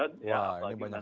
wah ini banyak sekali ya